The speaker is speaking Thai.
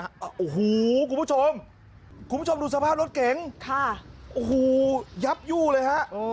โอ้โหคุณผู้ชมคุณผู้ชมดูสภาพรถเก๋งค่ะโอ้โหยับยู่เลยฮะ